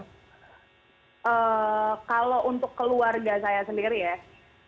kalau untuk keluarga saya sendiri ya